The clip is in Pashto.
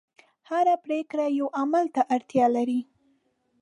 هره پرېکړه یوه عمل ته اړتیا لري.